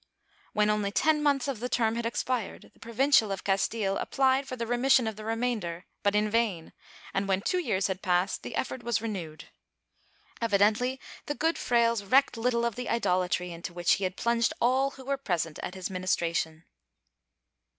When only ten months of the term had expired the Provincial of Castile applied for the remission of the remainder, but in vain and, when two years had passed the effort was renewed.^ Evidently the good frailes recked little of the idolatry into which he had plunged all who were present at his ministration.